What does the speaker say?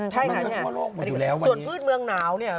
ใช่ค่ะส่วนอืดเมืองหนาวเนี่ย